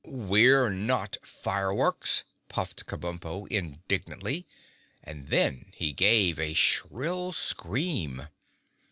"We're not fireworks," puffed Kabumpo indignantly and then he gave a shrill scream.